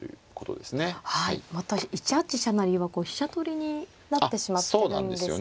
また１八飛車成はこう飛車取りになってしまってるんですね。